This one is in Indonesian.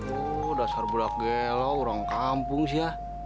oh dasar bulak gelo orang kampung sih ya